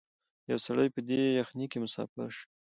یو سړی په دې یخنۍ کي مسافر سو